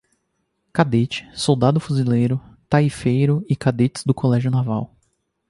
Cadete, Soldado Fuzileiro, Taifeiro e cadetes do Colégio Naval